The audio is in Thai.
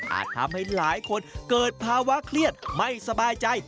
ทำให้หลายคนเกิดภาวะเครียดไม่สบายใจ